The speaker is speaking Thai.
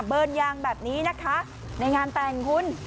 เบิร์นยางแบบนี้นะคะในงานแต่งคุณ